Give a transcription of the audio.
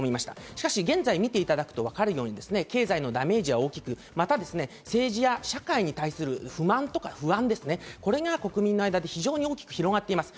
しかし現在見ていただくとわかるように、経済のダメージは大きく、また政治や社会に対する不満とか不安、これが国民の間で広く広がっています。